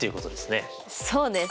そうです。